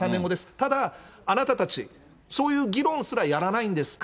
ただ、あなたたち、そういう議論すらやらないんですか？